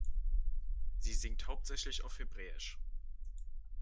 Sie singt hauptsächlich auf Hebräisch.